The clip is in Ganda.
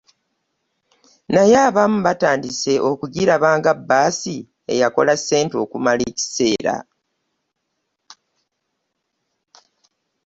Naye abamu batandise okugiraba nga bbaasi eyakola ssente okumala ekiseera